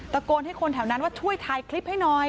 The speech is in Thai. ตะโกนให้คนแถวนั้นว่าช่วยถ่ายคลิปให้หน่อย